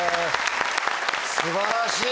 素晴らしい。